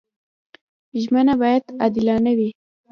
ژمنه باید عادلانه وي.